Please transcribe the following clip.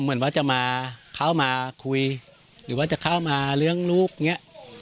เหมือนว่าจะมาเข้ามาคุยหรือว่าจะเข้ามาเลี้ยงลูกอย่างนี้